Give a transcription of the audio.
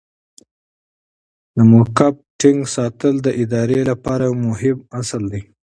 د موقف ټینګ ساتل د ادارې لپاره یو مهم اصل دی.